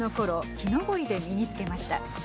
木登りで身につけました。